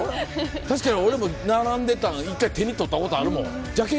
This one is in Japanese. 確かに俺も並んでたの一回手に取ったことあるもん。